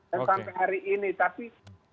sampai hari ini tapi